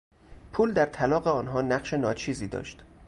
پول در طلاق آنها نقش ناچیزی داشت.